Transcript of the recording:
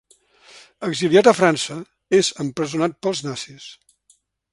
Exiliat a França, és empresonat pels nazis.